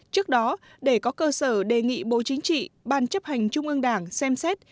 trước đó để có cơ sở đề nghị bộ chính trị ban chấp hành trung ương đảng xem xét